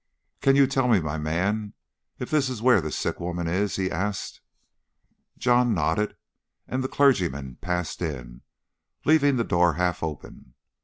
"Can you tell me, my man, if this is where the sick woman is?" he asked. John nodded, and the clergyman passed in, leaving the door half open.